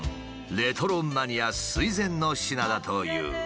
レトロマニア垂ぜんの品だという。